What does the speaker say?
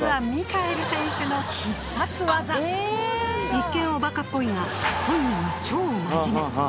一見おバカっぽいが本人は超真面目。